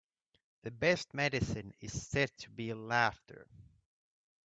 The best medicine is said to be laughter.